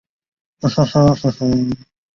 他现在效力于英超球队哈德斯菲尔德。